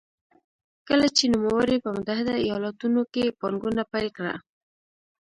کله چې نوموړي په متحده ایالتونو کې پانګونه پیل کړه.